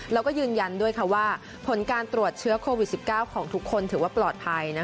แล้วก็ยืนยันด้วยว่าผลการตรวจเชื้อโควิด๑๙ของทุกคนถือว่าปลอดภัย